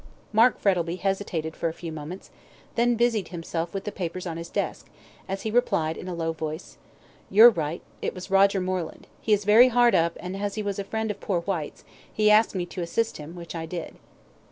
Mark Frettlby hesitated for a few moments, and then busied himself with the papers on his desk, as he replied in a low voice "You are right it was Roger Moreland he is very hard up, and as he was a friend of poor Whyte's, he asked me to assist him, which I did."